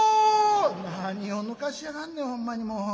「何をぬかしやがんねんほんまにもう。